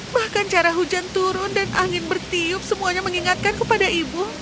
bahkan cara hujan turun dan angin bertiup semuanya mengingatkan kepada ibu